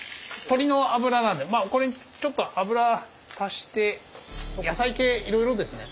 鶏の脂なんでまあこれにちょっと油足して野菜系いろいろですね。